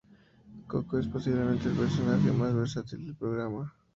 Coco es posiblemente el personaje más versátil del programa.